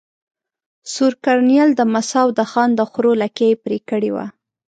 سور کرنېل د مساو د خان د خرو لکې ېې پرې کړي وه.